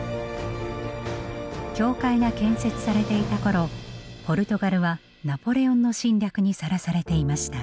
教会が建設されていたころポルトガルはナポレオンの侵略にさらされていました。